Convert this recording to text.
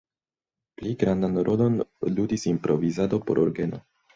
Pli grandan rolon ludis improvizado por orgeno.